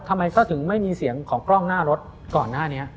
ทำไมเขาถึงไม่มีเสียงของกล้องหน้ารถก่อนหน้านี้